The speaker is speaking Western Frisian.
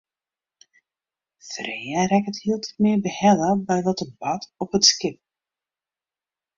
Freya rekket hieltyd mear behelle by wat der bart op it skip.